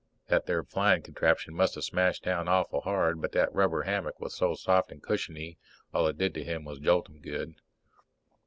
That there flying contraption must have smashed down awful hard, but that rubber hammock was so soft and cushiony all it did to him was jolt him good.